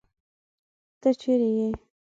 تۀ چېرې ئې ؟